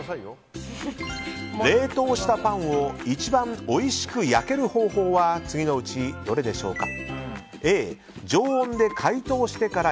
冷凍したパンを一番おいしく焼ける方法は次のうち、どれでしょうか。